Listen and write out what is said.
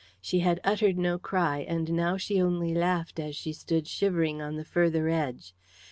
She had uttered no cry, and now she only laughed as she stood shivering on the further edge.